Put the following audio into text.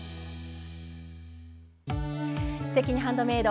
「すてきにハンドメイド」